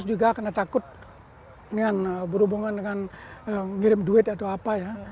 juga karena takut berhubungan dengan ngirim duit atau apa ya